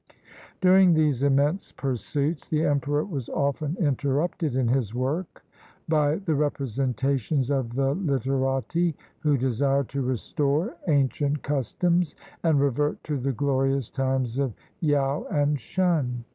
During these immense pursuits, the emperor was often interrupted in his work by the representations of the literati, who desired to restore ancient customs and revert to the glorious times of Yaou and Shun.